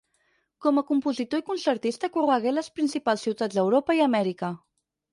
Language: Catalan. Com a compositor i concertista corregué les principals ciutats d'Europa i Amèrica.